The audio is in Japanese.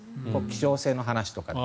希少性の話とか。